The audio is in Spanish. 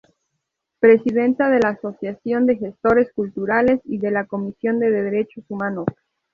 Presidenta de la Asociación de Gestores Culturales y de la Comisión de Derechos Humanos.